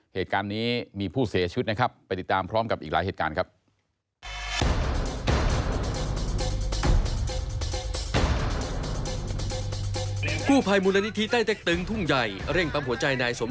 เหตุการณ์นี้มีผู้เสียชีวิตนะครับไปติดตามพร้อมกับอีกหลายเหตุการณ์ครับ